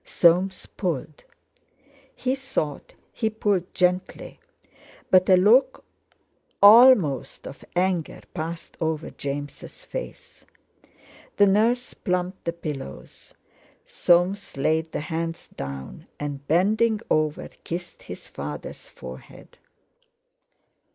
Soames pulled. He thought he pulled gently, but a look almost of anger passed over James' face. The nurse plumped the pillows. Soames laid the hands down, and bending over kissed his father's forehead.